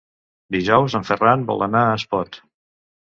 Dijous en Ferran vol anar a Espot.